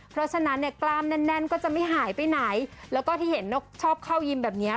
เพราะฉะนั้นเนี่ยกล้ามแน่นแน่นก็จะไม่หายไปไหนแล้วก็ที่เห็นนกชอบเข้ายิมแบบเนี้ย